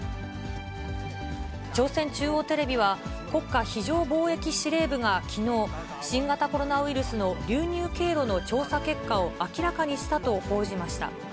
朝鮮中央テレビは、国家非常防疫司令部がきのう、新型コロナウイルスの流入経路の調査結果を明らかにしたと報じました。